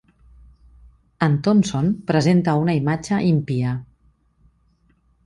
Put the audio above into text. En Thompson presenta una imatge impia.